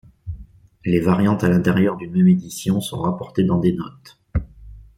Les variantes à l’intérieur d’une même édition sont rapportées dans des notes.